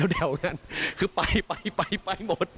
เดี๋ยวก็คือไปหมด